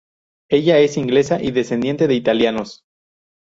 Ella es inglesa y descendiente de italianos.